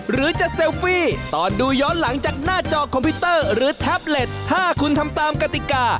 หรือจะเซลฟี่ตอนดูย้อนหลังจากหน้าจอคอมพิวเตอร์หรือแท็บเล็ตถ้าคุณทำตามกติกา